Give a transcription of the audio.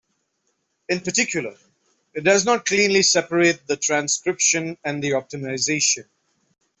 In particular, it does not cleanly separate the transcription and the optimization.